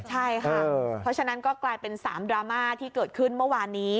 ใช่ค่ะเพราะฉะนั้นก็กลายเป็น๓ดราม่าที่เกิดขึ้นเมื่อวานนี้